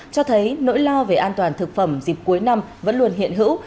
cho thấy nỗi lo về an toàn thực phẩm dịp cuối năm vẫn luôn hiện hữu